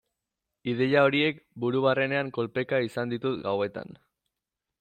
Ideia horiek buru barrenean kolpeka izan ditut gauetan.